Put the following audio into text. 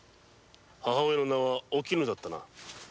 母親の名はおきぬだったな。